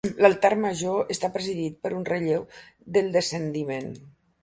L'altar major està presidit per un relleu del Descendiment.